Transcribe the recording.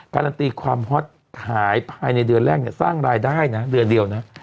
การันตีความฮอตขายภายในเดือนแรกเนี่ยสร้างรายได้นะเดือนเดียวนะ